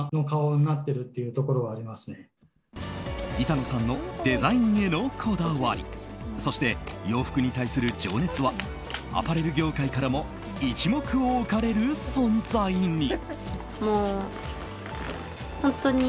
板野さんのデザインへのこだわりそして洋服に対する情熱はアパレル業界からも一目を置かれる存在に。